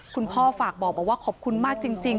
คุณพ่อฝากบอกว่าขอบคุณมากจริง